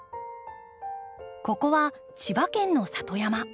ここは千葉県の里山。